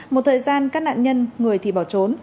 một thời gian các nạn nhân người thì bỏ trốn